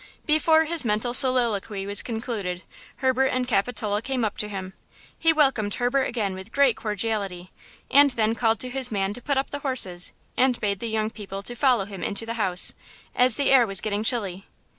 Before his mental soliloquy was concluded, Herbert and Capitola came up to him. He welcomed Herbert again with great cordiality, and then called to his man to put up the horses, and bade the young people to follow him into the house, as the air was getting chilly.